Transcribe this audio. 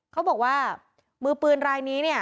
เขาบอกว่ามือปืนรายนี้เนี่ย